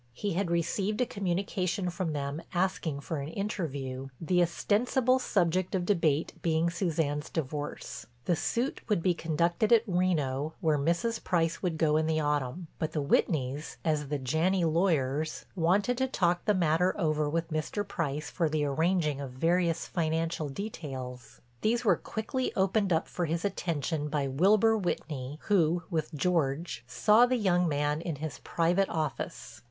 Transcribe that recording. He had received a communication from them asking for an interview, the ostensible subject of debate being Suzanne's divorce. The suit would be conducted at Reno where Mrs. Price would go in the autumn, but the Whitneys, as the Janney lawyers, wanted to talk the matter over with Mr. Price for the arranging of various financial details. These were quickly opened up for his attention by Wilbur Whitney, who, with George, saw the young man in his private office.